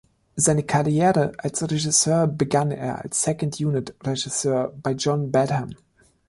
Seine Karriere als Regisseur begann er als Second-Unit-Regisseur bei John Badham.